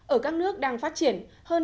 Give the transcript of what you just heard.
ở các nước đang phát triển